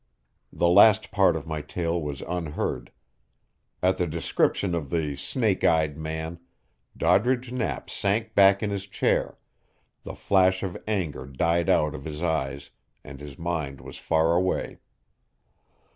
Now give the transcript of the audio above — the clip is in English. The last part of my tale was unheard. At the description of the snake eyed man, Doddridge Knapp sank back in his chair, the flash of anger died out of his eyes, and his mind was far away.